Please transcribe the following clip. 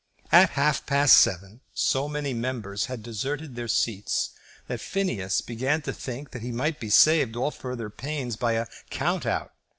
At half past seven so many members had deserted their seats, that Phineas began to think that he might be saved all further pains by a "count out."